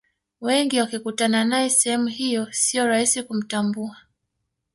wengi wakikutana nae sehemu hiyo siyo rahisi kumtambua